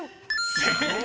［正解！